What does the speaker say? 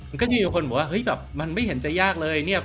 มันก็จะมีคนบอกว่าเฮ้ยแบบมันไม่เห็นจะยากเลยเนี่ย